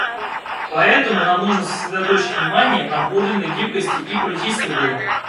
Поэтому нам нужно сосредоточить внимание на подлинной гибкости и политической воле.